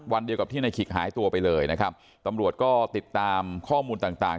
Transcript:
วันเดียวกับที่ในขิกหายตัวไปเลยนะครับตำรวจก็ติดตามข้อมูลต่างต่าง